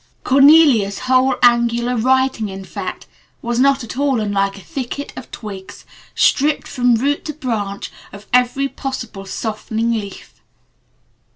Cornelia's whole angular handwriting, in fact, was not at all unlike a thicket of twigs stripped from root to branch of every possible softening leaf.